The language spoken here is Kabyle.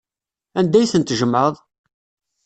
Anda ay ten-tjemɛeḍ?